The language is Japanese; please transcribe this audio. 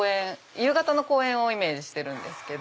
夕方の公園をイメージしてるんです。